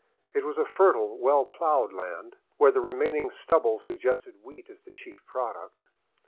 It was a fertile, well plowed land, where the remaining stubble suggested wheat as the chief product.